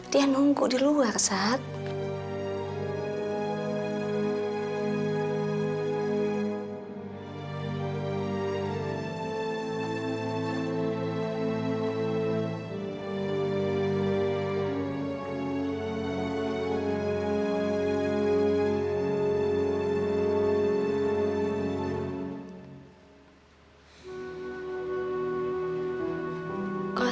dia nunggu di luar sat